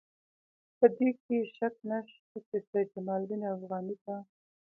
په دې کې شک نشته چې سید جمال الدین افغاني ته.